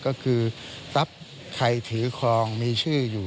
ก็คือทรัพย์ใครถือครองมีชื่ออยู่